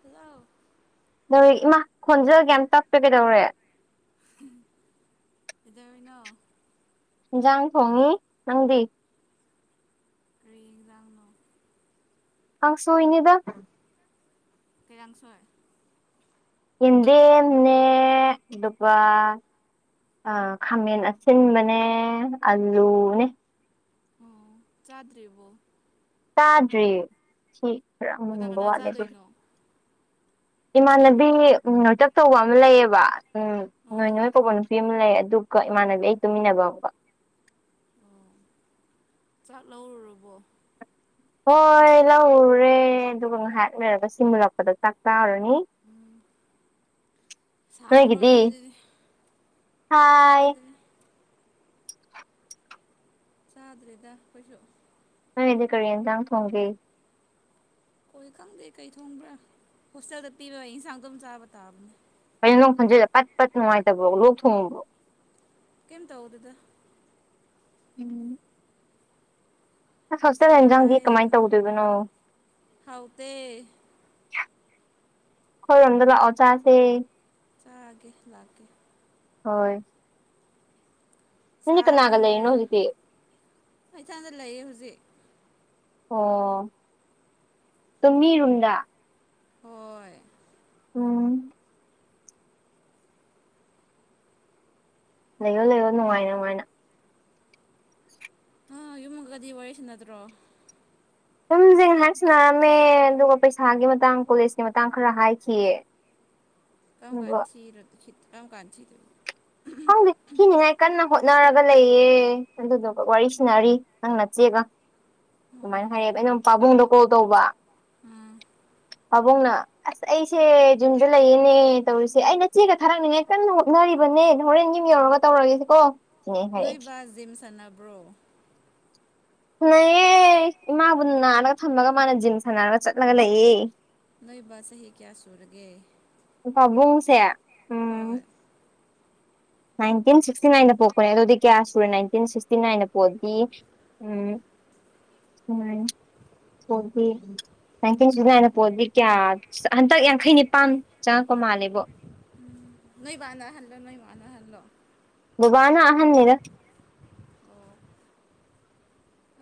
ꯍꯖꯑꯣ ꯍ ꯏꯃꯥ ꯈꯣꯟꯖꯒꯦ ꯌꯥꯝ ꯇꯥꯛꯄꯦ ꯀꯩꯗꯧꯔꯦ ꯏꯗꯅꯣ ꯏꯟꯖꯥꯡ ꯊꯣꯡꯉꯤ ꯅꯪꯗꯤ ꯔꯟ ꯂꯥꯡꯅ ꯑ ꯁꯣꯏꯅꯤꯗ ꯇꯔꯥꯟꯁꯣꯏ ꯍꯤꯟꯗꯤꯅꯦ ꯑꯗꯨꯒ ꯑ ꯈꯥꯃꯦꯟ ꯑꯁꯤꯟꯕꯅꯦ ꯑꯂꯨꯅꯦ ꯑꯣ ꯆꯥꯗ꯭ꯔꯤꯕꯣ ꯆꯥꯗ꯭ꯔꯤ ꯁꯤ ꯈꯔ ꯀꯅꯥ ꯃꯨꯅꯤꯡꯕ ꯀꯅꯥ ꯋꯥꯠꯂꯦ ꯑꯗꯨꯗꯤ ꯆꯥꯗꯣꯏꯅꯣ ꯏꯃꯥꯟꯅꯕꯤ ꯅꯣꯏꯇꯛ ꯇꯧꯕ ꯑꯃ ꯂꯩꯌꯦꯕ ꯎꯝ ꯑꯣ ꯅꯣꯏ ꯅꯣꯏ ꯄꯧꯕ ꯅꯨꯄꯤ ꯑꯃ ꯂꯩ ꯑꯗꯨ ꯀꯣ ꯏꯃꯥꯟꯅꯕꯤ ꯑꯩ ꯇꯨꯃꯤꯟꯅꯕ ꯑꯝꯒ [inaudible] ꯆꯥꯛ ꯂꯧꯔꯨꯔꯕꯣ ꯍꯣꯏ ꯂꯧꯔꯨꯔꯦ ꯑꯗꯨꯒ ꯉꯥꯏꯍꯥꯛ ꯂꯩꯣꯏꯔꯒ ꯁꯤꯃꯜꯂꯛꯄꯗ ꯆꯥꯛ ꯆꯥꯔꯨꯔ ꯑꯅꯤ ꯆꯥꯕ ꯑꯗꯨꯗꯤ ꯍꯥꯏ ꯆꯥꯗ꯭ꯔꯦ ꯆꯥꯗ꯭ꯔꯦꯗ ꯀꯩꯁꯨ ꯗꯤ ꯀꯔꯤ ꯌꯦꯟꯁꯥꯡ ꯊꯣꯡꯒꯦ ꯍꯣꯏ ꯈꯪꯗꯦ ꯀꯩ ꯊꯣꯡꯕ꯭ꯔꯥ ꯍꯣꯁꯇꯦꯜꯗ ꯄꯤꯕ ꯌꯦꯟꯁꯥꯡ ꯑꯗꯨꯝ ꯆꯥꯕ ꯇꯥꯕꯅꯦ ꯈꯟꯖꯗ ꯄꯠ ꯄꯠ ꯅꯨꯡꯉꯥꯏꯇꯕ꯭ꯔꯣ ꯂꯣꯛ ꯊꯣꯡꯉꯕ꯭ꯔꯣ ꯀꯦꯝ ꯇꯧꯗꯦꯗ ꯎꯝ ꯑꯁ ꯍꯣꯁꯇꯦꯜ ꯁꯥꯏ ꯌꯦꯟꯖꯥꯡꯗꯤ ꯀꯃꯥꯏꯅ ꯌꯥꯝꯅ ꯇꯧꯗꯣꯏꯕꯅꯣ ꯍꯥꯎꯇꯦ ꯈꯣꯏꯔꯣꯝꯗ ꯂꯥꯛ ꯑꯣ ꯆꯥꯁꯦ ꯆꯥꯛꯑꯒꯦ ꯂꯥꯛꯀꯦ ꯍꯣꯏ ꯅꯪꯗꯤ ꯁꯥꯕꯅ ꯀꯅꯥꯒ ꯂꯩꯅꯣ ꯂꯣꯏꯔꯦ ꯍꯧꯖꯤꯛꯇꯤ ꯑꯩ ꯏꯁꯥꯗ ꯂꯩꯌꯦ ꯍꯧꯖꯤꯛ ꯑꯣ ꯇꯃꯤꯔꯨꯟꯗꯥ ꯍꯣꯏ ꯎꯝ ꯂꯩꯌꯣ ꯂꯩꯌꯣ ꯅꯨꯡꯉꯥꯏꯅ ꯅꯨꯡꯉꯥꯏꯅ ꯑ ꯌꯨꯃꯒꯗꯤ ꯋꯥꯔꯤ ꯁꯥꯅꯇꯗ꯭ꯔꯣ ꯁꯨꯝꯁ ꯍꯥꯏ ꯁꯟꯅꯔꯝꯃꯦ ꯑꯗꯨꯒ ꯄꯩꯁꯥꯒꯤ ꯃꯇꯥꯡ ꯀꯣꯂꯦꯖꯀꯤ ꯃꯇꯥꯡ ꯈꯔ ꯍꯥꯏꯈꯤꯌꯦ ꯀꯝꯀꯥꯜ ꯑꯗꯨꯒ ꯊꯤ ꯀꯝꯀꯥꯜ ꯊꯤꯗꯣꯏꯅꯣ ꯈꯪꯗꯦ ꯊꯤꯅꯤꯡꯉꯥꯏ ꯀꯟꯅ ꯍꯣꯠꯅꯔꯒ ꯂꯩꯌꯦ ꯑꯗꯨꯗꯨꯒ ꯋꯥꯔꯤ ꯁꯅꯔꯤ ꯅꯪ ꯅꯠꯆꯦꯒ ꯑꯗꯨꯃꯥꯏꯅ ꯑꯣ ꯍꯥꯏꯔꯌꯦ ꯑꯩꯅ ꯄꯥꯕꯨꯡꯗ ꯀꯣꯜ ꯇꯧꯕ ꯎꯝ ꯄꯥꯕꯨꯡꯅ ꯑꯁ ꯑꯩꯁꯦ ꯌꯖꯨꯝꯗ ꯂꯩꯌꯦꯅꯦ ꯇꯧꯔꯤꯁꯦ ꯑꯩꯅ ꯆꯦꯒ ꯊꯥꯔꯛꯅꯤꯡꯉꯥꯏ ꯀꯟꯅ ꯍꯣꯠꯅꯔꯤꯕꯅꯦ ꯍꯣꯔꯦꯟ ꯌꯨꯝ ꯌꯧꯔꯒ ꯇꯧꯔꯒꯦꯁꯤꯀꯣ ꯁꯤꯅꯦ ꯑꯩ ꯍꯥꯏꯔꯛꯑꯦ ꯅꯣꯏꯕꯥ ꯖꯤꯝ ꯁꯥꯟꯅꯕ꯭ꯔꯣ ꯅꯑꯦ ꯏꯃꯥꯕꯨ ꯅꯥꯔꯒ ꯊꯝꯃꯒ ꯃꯥꯅ ꯖꯤꯝ ꯁꯥꯟꯅꯔꯒ ꯆꯠꯂꯒ ꯂꯩꯌꯦ ꯅꯣꯏꯕ ꯆꯍꯤ ꯀꯌꯥ ꯁꯨꯔꯒꯦ ꯄꯥꯕꯨꯡꯁꯦ ꯎꯝ ꯍꯣꯏ ꯅꯥꯏꯟꯇꯤꯟ ꯁꯤꯛꯁꯇꯤ ꯅꯥꯏꯟꯗ ꯄꯣꯛꯄꯅꯦ ꯑꯗꯨꯗꯤ ꯀꯌꯥ ꯁꯨꯔꯦ ꯅꯥꯏꯟꯇꯤꯟ ꯁꯤꯛꯁꯇꯤ ꯅꯥꯏꯟꯗ ꯄꯣꯛꯑꯗꯤ ꯎꯝꯃꯥꯏ ꯐꯕꯤ ꯏꯇꯤꯟ ꯁꯕꯦꯜꯗꯤꯅꯥꯏꯜ ꯄꯣꯠꯇꯗꯤ ꯀꯌꯥ ꯍꯟꯗꯛ ꯌꯥꯡꯈꯩ ꯅꯤꯄꯥꯟ ꯆꯪꯉꯛꯄ ꯃꯥꯜꯂꯦꯕꯣ ꯅꯣꯏ ꯕꯅ ꯑꯍꯜꯂꯣ ꯅꯣꯏ ꯃꯅ ꯑꯍꯜꯂꯣ ꯕꯥꯕꯅ ꯑꯍꯟꯅꯤꯗ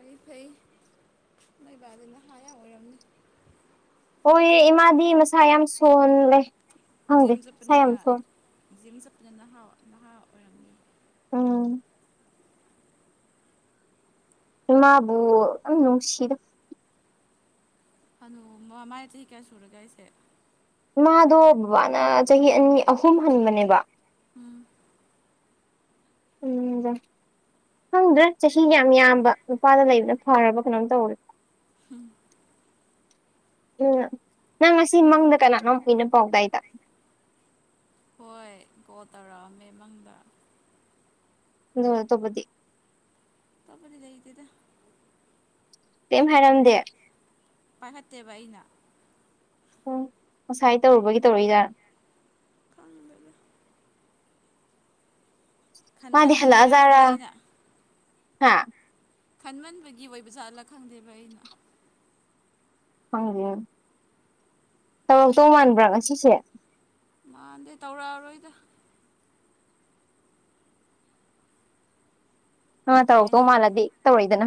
ꯑꯩ ꯐꯩ ꯅꯣꯏꯕꯗꯨꯅ ꯍꯥ ꯌꯥꯝ ꯑꯣꯏꯔꯝꯅꯤ ꯍ ꯏꯃꯥꯗꯤ ꯃꯁꯥ ꯌꯥꯝ ꯁꯣꯜꯂꯦ ꯈꯪꯗꯦ ꯖꯤꯝ ꯃꯁꯥ ꯌꯥꯝ ꯆꯠꯄꯅꯤꯅ ꯁꯣꯂꯦ ꯖꯤꯝ ꯆꯠꯄꯅ ꯅꯍꯥ ꯅꯍꯥ ꯑꯣꯏꯔꯝꯃꯤ ꯎꯝ ꯃꯥꯕꯨ ꯌꯥꯝ ꯅꯨꯡꯁꯤꯔ ꯑꯣ ꯃꯃꯥꯏ ꯆꯍꯤ ꯀꯌꯥ ꯁꯨꯔꯒꯦ ꯑꯩꯁꯦ ꯃꯥꯗꯣ ꯕꯕꯥꯅ ꯆꯍꯤ ꯑꯅꯤ ꯑꯍꯨꯝ ꯍꯟꯕꯅꯦꯕ ꯎꯝ ꯎꯝꯗ ꯈꯪꯗ꯭ꯔꯥ ꯆꯍꯤꯒ ꯌꯥꯝ ꯌꯥꯝꯕ ꯅꯨꯄꯥꯗ ꯂꯩꯕꯅ ꯐꯔꯕ ꯀꯩꯅꯣꯝ ꯇꯧꯔꯦ ꯎꯝ ꯎꯝ ꯅꯪ ꯉꯁꯤ ꯃꯪꯗ ꯀꯅꯥꯅꯣꯝ ꯀꯨꯏꯅꯣ ꯄꯥꯎꯗꯥꯏꯗ ꯍꯣꯏ ꯒꯣ ꯇꯔꯛꯑꯃꯦ ꯃꯪꯗ [unintelligible] ꯇꯣꯄꯗꯤ ꯇꯕꯗꯤ ꯂꯩꯗꯦꯗ ꯇꯦꯝ ꯍꯥꯏꯔꯝꯗꯦ ꯄꯥꯏꯈꯠꯇꯦꯕ ꯑꯩꯅ ꯎ ꯉꯁꯥꯏ ꯇꯧꯔꯨꯕꯒꯤ ꯇꯧꯔꯏꯖꯥꯔ ꯈꯪꯗꯗ ꯃꯥꯗꯤ ꯈꯟꯃꯟꯕꯒꯤꯔ ꯈꯪꯗ ꯑꯩꯅ ꯍꯥꯥ ꯈꯟꯃꯟꯕꯒꯤ ꯑꯣꯏꯕꯖꯥꯠꯂꯥ ꯈꯪꯗꯦꯕ ꯑꯩꯅ [unintelligible] ꯇꯧꯔꯛꯇꯧ ꯃꯥꯟꯕ꯭ꯔꯥ ꯉꯁꯤꯁꯦ ꯃꯥꯟꯗꯦ ꯇꯧꯔꯛꯑꯔꯣꯏꯗ ꯅꯪ ꯇꯧꯔꯛꯇꯧ ꯑꯩꯅ ꯃꯥꯜꯂꯗꯤ ꯇꯧꯔꯛꯏ ꯗꯅ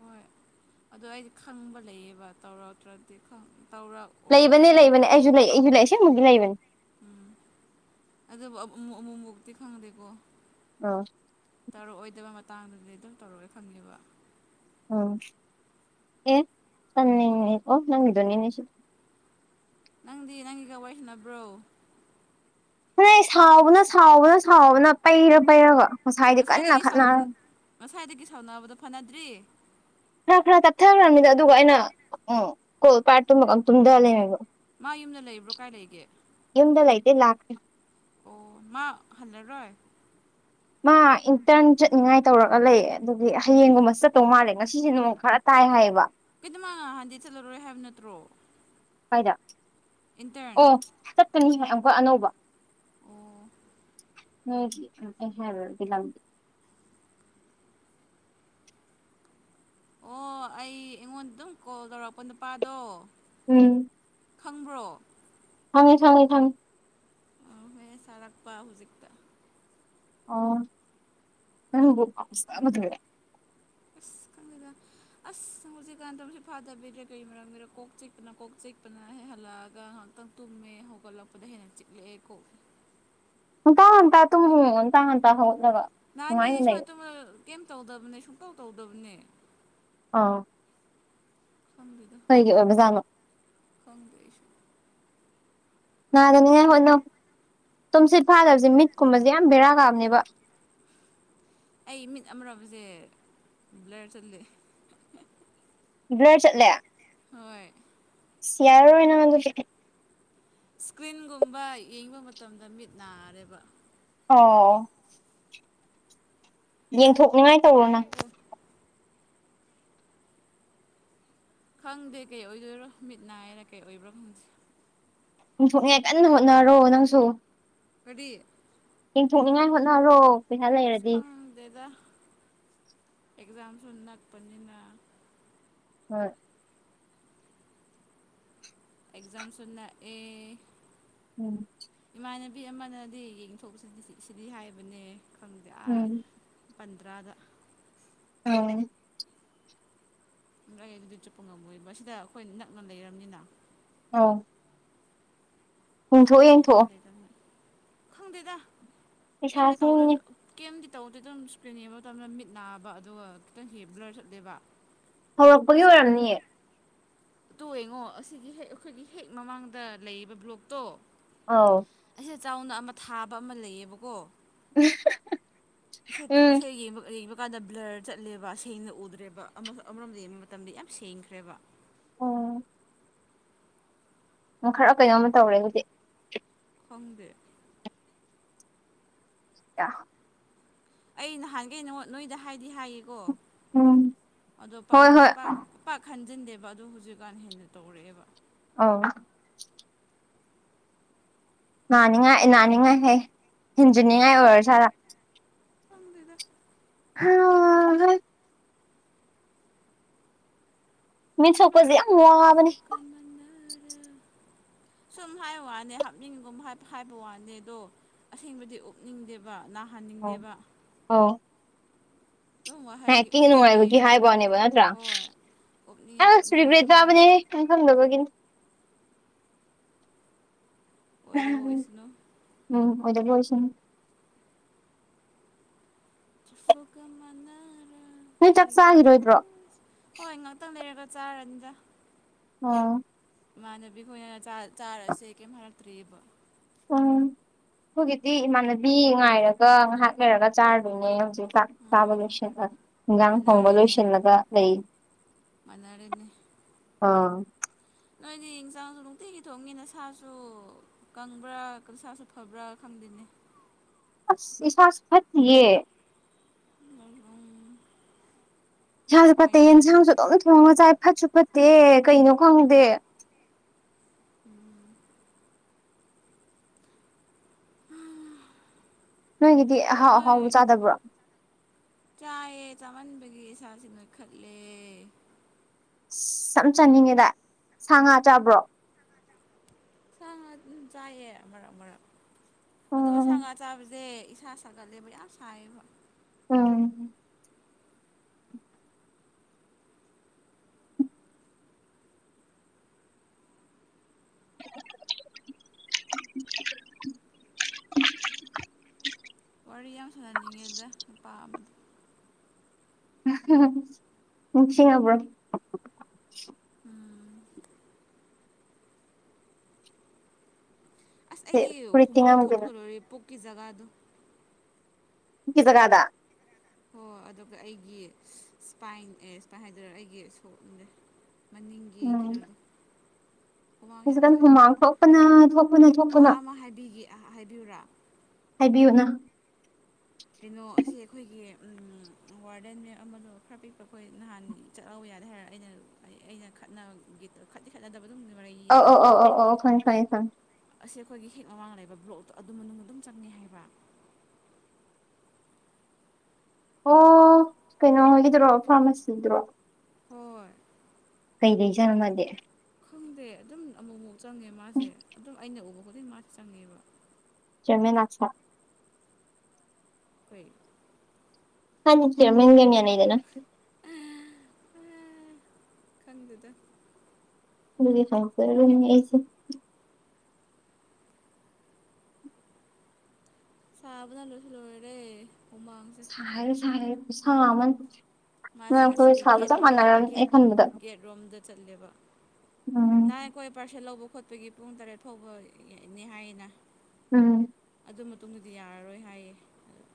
ꯍꯣꯏ ꯑꯗꯣ ꯑꯩꯗꯤ ꯈꯪꯕ ꯂꯩꯌꯦꯕ ꯇꯧꯔꯇꯔꯗꯤ ꯈꯪ ꯂꯩꯕꯅꯦ ꯂꯩꯕꯅꯦ ꯑꯩꯁꯨꯨ ꯂꯩ ꯑꯩꯁꯨꯨ ꯂꯩ ꯑꯁꯦꯃꯨꯛꯒꯤ ꯂꯩꯕꯅꯦ ꯎꯝ ꯑꯗꯨꯕꯨ ꯑꯃꯨ ꯑꯃꯨꯃꯨꯛꯇꯤ ꯈꯪꯗꯦꯀꯣ ꯑ ꯇꯥꯔꯛꯑꯣꯏꯗꯕ ꯃꯇꯥꯡꯗꯗꯤ ꯑꯗꯨꯝ [unintelligible] ꯎꯝ ꯑꯦ [unintelligible] ꯅꯪꯒꯤꯗꯣꯅꯤꯅꯦꯁꯤ ꯅꯪꯗꯤ ꯅꯪꯒꯤꯒ ꯋꯥꯔꯤ ꯁꯅꯕ꯭ꯔꯣ [unintelligible] ꯁꯥꯎꯕꯅ ꯁꯥꯎꯕꯅ ꯁꯥꯎꯕꯅ ꯄꯩꯔ ꯄꯩꯔꯒ ꯉꯁꯥꯏꯗꯤ ꯀꯟꯅ ꯉꯁꯥꯏꯗꯒꯤ ꯁꯥꯎꯟ ꯈꯠꯅꯔ ꯉꯁꯥꯏꯗꯒꯤ ꯁꯥꯎꯅꯕꯗꯣ ꯐꯅꯗ꯭ꯔꯤ ꯈꯔ ꯈꯔ ꯇꯞꯊꯈ꯭ꯔꯕꯅꯤꯗ ꯑꯗꯨꯒ ꯑꯩꯅ ꯎꯝ ꯀꯣꯜ ꯄꯥꯔ ꯇꯨꯃꯒ ꯑꯝ ꯇꯨꯝꯗ ꯂꯩꯃꯤꯕ ꯃꯥ ꯌꯨꯝꯗ ꯂꯩꯕ꯭ꯔꯣ ꯀꯥꯏ ꯂꯩꯒꯦ ꯑꯦ [unintelligible] ꯑꯣ ꯃꯥ ꯍꯜꯂꯔꯣꯏ ꯃꯥ ꯏꯟꯇꯔꯟ ꯆꯠꯅꯤꯡꯉꯥꯏ ꯇꯧꯔꯒ ꯂꯩ ꯑꯗꯨꯒꯤ ꯍꯌꯦꯡꯒꯨꯝꯕ ꯆꯠꯇꯧ ꯃꯥꯜꯂꯦ ꯉꯁꯤꯁꯦ ꯅꯣꯡ ꯈꯔ ꯇ ꯇꯥꯏ ꯍꯥꯏꯕ [unintelligible] ꯉꯍꯥꯟꯗꯤ ꯆꯠꯂꯔꯣꯏ ꯍꯥꯏꯕ ꯅꯠꯇ꯭ꯔꯣ ꯀꯥꯏꯗ ꯏꯟꯇꯔꯟ ꯑꯣ ꯆꯠꯇꯅꯤ ꯑꯃꯨꯛꯀ ꯑꯅꯧꯕ꯫ ꯑꯣ ꯃꯤꯒꯤ [unintelligible] ꯂꯝꯕꯤ ꯑꯣ ꯑꯩ ꯑꯩꯉꯣꯟꯗ ꯗꯨꯝ ꯀꯣꯜ ꯇꯧꯔꯛꯄ ꯅꯨꯄꯥꯗꯣ ꯎꯝ ꯈꯪꯕ꯭ꯔꯣ ꯈꯪꯉꯦ ꯈꯪꯉꯦ ꯈꯪꯉꯦ ꯑ [unintelligible] ꯁꯥꯔꯛꯄ ꯍꯨꯖꯤꯛꯇ꯫ ꯑꯣ ꯅꯪꯕꯨ ꯉꯥꯎꯖꯕꯗꯨꯔꯥ ꯑꯁ ꯈꯪꯗꯦꯗ ꯑꯁ ꯍꯧꯖꯤꯛꯀꯥꯟꯗ [unintelligible] ꯀꯩ ꯃꯔꯝꯒꯤꯔꯣ ꯀꯣꯛ ꯆꯤꯛꯄꯅ ꯀꯣꯛ ꯆꯤꯛꯄꯅ ꯍꯦꯛ ꯍꯜꯂꯛꯑꯒ ꯇꯪ ꯇꯨꯝꯃꯦ ꯍꯧꯒꯠꯂꯛꯄꯗ ꯍꯦꯟꯅ ꯆꯤꯛꯂꯛꯑꯦ ꯀꯣꯛ꯫ ꯉꯟꯇꯥ ꯉꯟꯇꯥ ꯇꯨꯝꯃꯣ ꯉꯟꯇꯥ ꯉꯟꯇꯥ ꯍꯧ ꯅꯍꯥꯟꯒꯩ ꯁꯨꯃꯥꯏꯅ ꯇꯧꯝꯕ ꯀꯦꯝ ꯇꯧꯗꯕꯅꯦ ꯁꯨꯡꯇꯧ ꯇꯧꯗꯕꯅꯦ꯫ ꯑꯥ ꯈꯪꯗꯦꯗ ꯍꯩꯒꯤ ꯑꯣꯏꯕꯖꯥꯅꯣ ꯈꯪꯗꯦ ꯑꯩꯁꯨ ꯅꯥꯗꯅꯤꯉꯥꯏ ꯍꯣꯠꯅꯧ ꯇꯨꯝꯁꯤꯠ ꯐꯥꯗꯕꯁꯦ ꯃꯤꯠꯀꯨꯝꯕꯁꯦ ꯌꯥꯝ ꯕꯦꯔꯥ ꯀꯥꯕꯅꯦꯕ ꯑꯩ ꯃꯤꯠ ꯑꯃꯔꯣꯕꯁꯦ ꯕ꯭ꯂꯔ ꯆꯠꯂꯦ꯫ [unintelligible] ꯕ꯭ꯂꯔ ꯆꯠꯂꯦ ꯍꯣꯏ꯫ ꯁꯤꯌꯥꯔꯔꯣꯏ ꯅꯪ ꯑꯗꯨꯗꯤ꯫ ꯏꯁꯀ꯭ꯔꯤꯟꯒꯨꯝꯕ ꯌꯦꯡꯕ ꯃꯇꯝꯗ ꯃꯤꯠ ꯅꯥꯔꯦꯕ ꯑꯣ ꯌꯦꯟꯊꯣꯛꯅꯤꯉꯥꯏ ꯇꯧꯔꯣꯅ ꯉꯥꯏꯈꯣ ꯈꯪꯗꯦ ꯀꯩ ꯑꯣꯏꯗꯣꯏꯔꯣ ꯃꯤꯠ ꯅꯥꯏꯔ ꯀꯩ ꯑꯣꯏꯕ꯭ꯔꯣ ꯈꯪꯗꯦ ꯄꯣꯡꯊꯣꯛꯅꯦ ꯀꯟꯅ ꯍꯣꯠꯅꯔꯣ ꯅꯪꯁꯨ ꯀꯗꯤ ꯊꯅꯉꯥꯏ ꯍꯅꯔꯣ ꯈꯪꯗꯦꯗ ꯑꯦꯛꯖꯥꯝꯁꯨ ꯅꯛꯄꯅꯤꯅ ꯍꯣꯏ ꯑꯦꯛꯖꯥꯝꯁꯅ ꯑꯦ ꯎꯝ ꯏꯃꯥꯟꯅꯕꯤ ꯑꯃꯅꯗꯤ ꯌꯦꯡꯊꯣꯛꯁꯤꯗꯤ ꯁꯤꯗꯤ ꯍꯥꯏꯕꯅꯦ ꯈꯪꯗꯦ ꯑ ꯎꯝ ꯄꯟꯗ꯭ꯔꯥꯗ ꯑꯅꯦ ꯂꯩ ꯑꯗꯨꯗꯤ ꯆꯨꯞꯄ ꯉꯝꯃꯣꯏꯕ ꯁꯤꯗ ꯑꯩꯈꯣꯏ ꯅꯛꯅ ꯂꯩꯔꯕꯝꯅꯤꯅ ꯑꯥꯎ ꯄꯩꯁꯥꯒ ꯄꯩꯁꯥ ꯂꯩꯗꯕꯅꯤ ꯈꯪꯗꯗ ꯀꯗꯤ ꯇꯧꯔ ꯄꯩꯁꯥꯁꯤꯡꯅꯦ ꯀꯗꯤ ꯇꯧ ꯇꯦꯇꯪ ꯏꯁꯀ꯭ꯔꯤꯟ ꯌꯦꯡꯕ ꯃꯇꯝꯗ ꯃꯤꯠ ꯅꯥꯕ ꯑꯗꯨꯒ ꯈꯤꯇꯪ ꯍ ꯕ꯭ꯂꯔ ꯆꯠꯂꯦꯕ ꯍꯧꯔꯛꯄꯒꯤ ꯑꯁꯤ ꯑꯣꯏꯔꯝꯅꯤꯑ ꯇꯣ ꯌꯦꯉꯣ ꯑꯁꯤꯒꯤ ꯍꯦꯛ ꯑꯩꯈꯣꯏꯒꯤ ꯍꯦꯛ ꯃꯃꯥꯡꯗ ꯂꯩꯔꯤꯕꯕ ꯕ꯭ꯂꯣꯛꯇꯣ ꯑꯥꯎ ꯦ ꯆꯥꯎꯅ ꯑꯃ ꯊꯥꯕ ꯑꯃ ꯂꯩꯌꯦꯕꯀꯣ [unintelligible] ꯎꯝ [unintelligible] [unintelligible] ꯀꯥꯟꯗ ꯕ꯭ꯂꯔ ꯆꯠꯂꯦꯕ ꯁꯦꯡꯅ ꯎꯗ꯭ꯔꯦꯕ ꯑꯃꯔꯣꯝꯗ ꯌꯦꯡꯕ ꯃꯇꯝꯗ ꯌꯥꯝ ꯁꯦꯡꯈ꯭ꯔꯦꯕ ꯎ ꯈꯔ ꯀꯩꯅꯣꯝꯃ ꯇꯧꯔꯦ ꯍꯧꯖꯤꯛ ꯈꯪꯗꯦ [inaudible] ꯑꯩ ꯅꯍꯥꯟꯒꯩꯅꯩꯅꯉꯣ ꯅꯣꯏꯗ ꯍꯥꯏꯗꯤ ꯍꯥꯏꯌꯦꯀꯣ ꯎꯝ ꯑꯗꯨꯗꯣ ꯍꯣꯏ ꯑꯗꯨ ꯍꯣꯏ ꯄ ꯈꯟꯖꯤꯟꯗꯦꯕ ꯑ ꯍꯧꯖꯤꯛꯀꯥꯟ ꯍꯦꯟꯅ ꯇꯧꯔꯛꯑꯦꯕ ꯑ ꯅꯥꯅꯤꯡꯉꯥꯏ ꯅꯥꯅꯤꯡꯉꯥꯏ ꯍ ꯍꯦꯟꯖꯤꯅꯤꯡꯉꯥꯏ ꯑꯣꯏꯔꯣ ꯁꯥꯥꯗ ꯈꯪꯗꯦꯗꯥ ꯍꯥ ꯍꯥ ꯃꯤꯟ ꯁꯣꯛꯄꯁꯤꯦ ꯌꯥꯝ ꯋꯥꯕꯅꯤ ꯎ ꯁꯨꯝ ꯍꯥꯏꯕ ꯋꯥꯅꯤ ꯍꯥꯞꯅꯤꯡꯉꯒꯨꯝ ꯍꯥꯏꯕ ꯋꯥꯅꯦ ꯑꯗꯣ ꯑꯁꯦꯡꯕꯗꯤ ꯎꯞꯅꯤꯡꯗꯦꯕ ꯑꯣ ꯅꯥꯍꯟꯅꯤꯡꯗꯦꯕ ꯑꯗꯨꯝ ꯋꯥꯍꯩꯒꯤ ꯍꯀꯤ ꯎꯞꯅꯤꯡꯉꯦ ꯅꯨꯡꯉꯥꯏꯕꯒꯤ ꯍꯥꯏꯕꯅꯦꯕ ꯅꯠꯇ꯭ꯔꯥ ꯍꯣꯏ ꯎꯞꯅꯤꯡꯉꯦ ꯑꯪ ꯈꯣꯠꯅꯤꯡꯉꯦ ꯁꯨꯔꯤꯕ꯭ꯔꯦ ꯑꯗꯨꯝ ꯍꯥꯏꯕ ꯇꯥꯕꯅꯦ ꯏꯪ ꯈꯪꯗꯕꯒꯤꯅꯤ ꯑꯣꯏꯣꯏꯗ ꯋꯥꯣꯏꯁꯅꯨ ꯑꯣꯗ ꯀꯣꯏꯁ ꯆꯐꯒ ꯃꯅ ꯅꯣꯏ ꯆꯞ ꯆꯥꯈꯤꯔꯣꯏꯗ꯭ꯔꯣ ꯆꯥꯔꯟꯖ ꯑꯥ ꯏꯃꯥꯟꯅꯕꯤ ꯈꫭꯏꯅ ꯆꯥ ꯆꯥꯔꯁꯦ ꯀꯩꯝ ꯍꯜꯂꯛꯇ꯭ꯔꯤꯑꯔꯤꯕ ꯎꯝ ꯍꯧꯈꯣꯏꯒꯤꯗꯤꯤ ꯏꯃꯥꯟꯅꯕꯤ ꯉꯥꯏꯔꯒ ꯉꯥꯏꯍꯥꯛ ꯂꯩꯔꯒ ꯆꯥꯔꯗꯣꯏꯅꯦ ꯍꯧꯖꯤꯛ ꯆꯥꯛ ꯆꯥꯕ ꯎꯝ ꯂꯣꯏꯁꯤꯂ ꯏꯟꯖꯥꯡ ꯊꯣꯡꯕ ꯃꯥꯟꯅꯔꯦꯅꯦ ꯂꯣꯏꯁꯤꯜꯂꯒ ꯂꯩ ꯃꯔꯅꯦ ꯑꯥ ꯅꯣꯏꯗꯤ ꯌꯦꯟꯁꯥꯡꯁꯨ ꯅꯨꯡꯇꯤꯒꯤ ꯊꯣꯡꯉꯤꯅꯦ ꯁꯥꯁꯨ ꯀꯪꯕ꯭ꯔꯥ ꯁꯥꯁꯨ ꯐꯕ꯭ꯔꯥ ꯈꯪꯗꯦꯅꯦ [inaudible] ꯏꯁ ꯏꯁꯥꯁꯨ ꯐꯠꯇꯤꯌꯦ ꯎꯝ ꯌꯥꯝꯁꯨ ꯐꯠꯇꯦ ꯀꯃꯥꯏꯅ ꯇꯧꯕ꯭ꯔꯥ ꯌꯦꯟꯁꯥꯡꯁꯨ ꯑꯗꯨꯝ ꯊꯣꯡꯉ ꯆꯥꯏ ꯐꯠꯁꯨ ꯐꯠꯇꯦ ꯀꯩꯅꯣ ꯈꯪꯗꯦ ꯎꯝ ꯅꯣꯏꯒꯤꯗꯤ ꯑꯍꯥꯎ ꯅꯣꯏ ꯑꯍꯥꯎꯕ ꯆꯥꯗꯕ꯭ꯔꯣ ꯆꯥꯌꯦ ꯆꯥꯃꯟꯕꯒꯤ ꯏꯁꯥꯁꯦ ꯅꯣꯏꯈꯠꯂꯦ ꯑꯁ ꯌꯥꯝ ꯆꯥꯅꯤꯡꯉꯤꯗ ꯁꯥ ꯉꯥ ꯆꯥꯕ꯭ꯔꯣ ꯁꯥ ꯉꯥ ꯑꯗꯨꯝ ꯆꯥꯏꯌꯦ ꯃꯔꯛ ꯃꯔꯛ ꯑꯗꯨꯒ ꯁꯥ ꯎꯝ ꯉꯥ ꯆꯥꯕꯁꯦ ꯏꯁꯥ ꯁꯥꯒꯠꯂꯦꯕ ꯌꯥꯝ ꯁꯥꯏꯕ ꯎꯝ [unintelligible] ꯋꯥꯔꯤ ꯌꯥꯝ ꯁꯥꯟꯅꯅꯤꯡꯉꯦꯗ ꯅꯨꯄꯥ ꯑꯃꯗꯨ ꯅꯤꯡꯁꯤꯡꯉꯕ꯭ꯔꯣ ꯎꯝ ꯑꯁ ꯑꯩꯒꯤ ꯐꯨꯔꯤꯠ ꯍꯨꯃꯥꯡ ꯇꯤꯡꯉꯝꯒꯤꯅ ꯊꯣꯛꯄꯗꯣ ꯂꯣꯏꯔꯦ ꯄꯨꯛꯀꯤ ꯖꯒꯥꯗꯨ ꯄꯨꯛꯀꯤꯖꯒꯥꯗ ꯍꯣ ꯑꯗꯨꯒ ꯑꯩꯒꯤ ꯏꯁꯄꯥꯏꯟ ꯑꯦ ꯏꯁꯄꯥꯏꯟ ꯍꯥꯏꯗꯔꯦ ꯑꯩꯒꯤ ꯁꯣꯛꯅꯦ ꯃꯅꯤꯡꯒꯤ ꯎꯝ ꯀꯩꯅꯣꯗꯣ ꯍꯨꯃꯥꯡ ꯌꯥꯝ ꯍꯧꯖꯤꯛꯀꯥꯟ ꯊꯣꯛꯑꯦ ꯍꯨꯃꯥꯡ ꯊꯣꯛꯄꯅ ꯊꯣꯛꯄꯅ ꯊꯣꯛꯄꯅ ꯍꯥꯏꯕꯤꯌꯨꯨꯔ ꯍꯥꯏꯕꯤꯒꯅꯣ ꯀꯩꯅꯣ ꯑꯁꯤ ꯑꯩꯈꯣꯏꯒꯤ ꯎꯝ ꯋꯥꯔꯗꯦꯟ ꯅꯦ ꯑꯃꯗꯣ ꯈꯔ ꯄꯤꯛꯄ ꯑꯩꯈꯣꯏ ꯅꯍꯥꯟ ꯆꯠꯍꯧꯋꯦ [unintelligible] ꯑꯩꯅ ꯑꯩꯅ ꯈꯠꯅꯒꯦ ꯇꯧꯔꯒ ꯈꯠꯇꯤ ꯈꯠꯅꯗꯕꯗꯣ ꯑꯣ ꯑꯣ ꯑꯣ ꯑꯣ ꯈꯪꯉꯤ ꯈꯪꯉꯤ ꯑꯁꯤ ꯑꯩꯈꯣꯏꯒꯤ ꯍꯦꯛ ꯃꯃꯥꯡꯗ ꯂꯩꯕ ꯕ꯭ꯂꯣꯛꯇꯣ ꯑꯗꯨ ꯃꯅꯨꯡ ꯑꯗꯨꯝ ꯆꯪꯉꯦ ꯍꯥꯏꯕ ꯑꯣ ꯀꯩꯅꯣ ꯍꯥꯏꯒꯗꯔꯣ ꯐꯥꯔꯃꯥꯁꯤꯗꯨꯔꯣ ꯍꯣꯏ ꯀꯩ ꯂꯩꯖꯥꯅꯣ ꯃꯥꯗꯤ ꯈꯪꯗꯦ ꯑꯗꯨꯝ ꯑꯃꯨꯛ ꯑꯃꯨꯛ ꯆꯪꯉꯦ ꯃꯥꯁꯦ ꯑꯗꯨꯝ ꯑꯩꯅ ꯎꯕ ꯈꯨꯗꯤꯡ ꯃꯥꯁꯦ ꯆꯪꯉꯦꯕ ꯃꯦꯟꯅ ꯑꯁꯥ ꯍꯣꯏ ꯍ ꯅꯤꯡꯠꯇꯦꯔ ꯃꯦꯃꯤꯌꯥꯅꯦꯗꯦꯅ ꯑ ꯈꯪꯗꯦꯗ ꯎ ꯍꯔꯁꯤ ꯁꯥꯕꯅꯁꯨ ꯂꯣꯏꯔꯦ ꯍꯨꯃꯥꯡꯁꯦ ꯁꯥꯔꯦ ꯁꯥꯔꯦ ꯈꯨꯁꯥ ꯑꯃꯅꯤ ꯅꯣꯏ ꯃꯥꯁꯦ ꯑꯩꯈꯣꯏ ꯉꯁꯤꯗꯤ ꯁꯥꯕ ꯆꯞ ꯒꯦꯠꯔꯣꯝ ꯃꯥꯟꯅꯔꯝꯅꯤ ꯑꯩ ꯈꯟꯕꯗ ꯒꯦꯠꯔꯣꯝꯗ ꯆꯠꯂꯦꯕ ꯎꯝ ꯅꯍ ꯑꯩꯈꯣꯏ ꯄꯥꯔꯁꯦꯜ ꯂꯧꯕ ꯈꯣꯠꯄꯒꯤ ꯄꯨꯡ ꯇꯔꯦꯠ ꯐꯥꯎꯕꯅꯤ ꯍꯥꯏꯌꯦꯅ ꯎꯝ ꯑꯗꯨ ꯃꯇꯨꯡꯗꯗꯤ ꯌꯥꯔꯔꯣꯏ ꯍꯥꯏꯌꯦ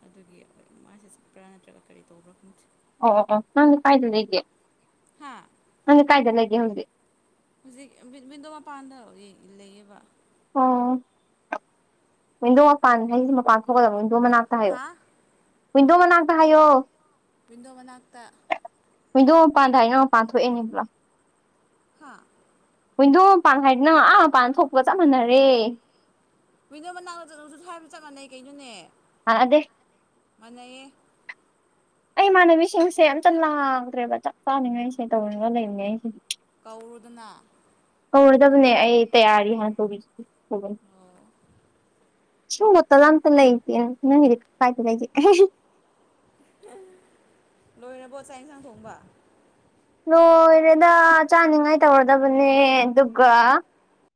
ꯑꯗꯨꯒꯤ ꯃꯥꯁꯦ ꯆꯠꯄ꯭ꯔ ꯅꯠꯇ꯭ꯔꯒ ꯀꯔꯤ ꯇꯧꯕ꯭ꯔ ꯈꯪꯗꯦ ꯑꯣ ꯑꯣ ꯅꯪꯗꯤ ꯀꯥꯏꯗ ꯂꯩꯒꯦ ꯍꯥ ꯅꯪꯗꯤ ꯀꯥꯏꯗ ꯂꯩꯒꯦ ꯍꯧꯖꯤꯛ ꯍꯧꯖꯤꯛ ꯃꯤꯗꯣ ꯃꯄꯥꯟꯗ ꯂꯩꯌꯦꯕ ꯑꯣ ꯋꯤꯟꯗꯣ ꯃꯄꯥꯟ ꯍꯥꯏꯁꯤ ꯃꯄꯥꯟ ꯊꯣꯛꯀꯗꯕꯅꯤ ꯃꯅꯥꯛꯇ ꯍꯥꯏꯌꯣ ꯍꯥ ꯋꯤꯟꯗꯣ ꯃꯅꯥꯛꯇ ꯍꯥꯏꯌꯣ ꯋꯤꯟꯗꯣ ꯃꯅꯥꯛꯇ ꯋꯤꯟꯗꯣ ꯃꯄꯥꯟꯗ ꯍꯥꯏꯌꯣ ꯃꯄꯥꯟ ꯊꯣꯛꯑꯦꯅꯦꯕ꯭ꯔꯣ ꯍꯥꯥ ꯋꯤꯟꯗꯣ ꯃꯄꯥꯟ ꯍꯥꯏꯕꯗꯤ ꯅꯪ ꯑꯥ ꯃꯄꯥꯟ ꯊꯣꯛꯄꯒ ꯆꯞ ꯃꯥꯟꯅꯔꯦ ꯅꯣ ꯃꯅꯥꯛꯛꯇ ꯆꯠꯧꯁꯨ ꯊ ꯍꯥꯏꯕ ꯆꯞ ꯃꯥꯟꯅꯩ ꯀꯩꯅꯣꯅꯦ ꯃꯥꯟꯅꯗꯦ ꯃꯥꯟꯅꯩꯌꯦ ꯑꯩ ꯏꯃꯥꯟꯅꯕꯤꯁꯤꯡꯁꯦ ꯑꯝꯇ ꯂꯥꯡꯗ꯭ꯔꯦꯕ ꯆꯥꯛ ꯆꯥꯅꯤꯡꯉꯩꯁꯦ ꯇꯧꯅꯤꯡꯉ ꯂꯩꯅꯤꯉꯩꯁꯦ ꯀꯧꯔꯨꯗꯅ ꯍꯧꯔꯣꯏꯗꯕꯅꯦ ꯑꯩ ꯇꯌꯥꯔꯤ ꯍꯥꯟꯅ ꯇꯧꯕꯤꯁꯤꯦꯅꯤ ꯑꯣ ꯁꯨ ꯃꯇꯝꯝꯇ ꯂ ꯅ ꯀꯥꯏꯗ ꯂꯩ ꯂꯣꯏꯔꯕꯣ ꯆꯥꯛ ꯌꯦꯟꯁꯥꯡ ꯊꯣꯡꯕ ꯂꯣꯏꯔꯦꯗ ꯆꯥꯅꯤꯡꯉꯥꯏ ꯇꯧꯔꯗꯕꯅꯦ ꯑꯗꯨꯒ